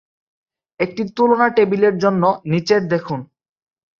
একটি তুলনা টেবিলের জন্য, নিচের দেখুন।